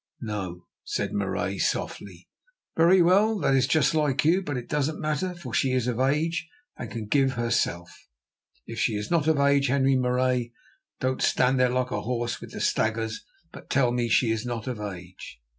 "No," said Marais softly. "Very well, that is just like you, but it doesn't matter, for she is of age and can give herself. Is she not of age, Henri Marais? Don't stand there like a horse with the staggers, but tell me; is she not of age?"